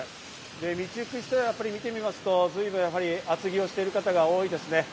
道行く人を見てみますと随分やはり厚着をしている方が多いですね。